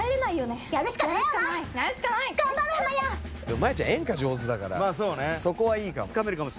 まやちゃん演歌上手だからそこはいいかも。